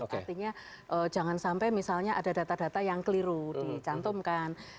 artinya jangan sampai misalnya ada data data yang keliru dicantumkan